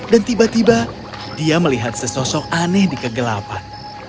dan tiba tiba dia melihat sesosok aneh di kegelapan